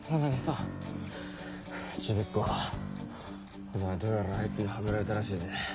ちびっ子お前どうやらあいつにはめられたらしいぜ。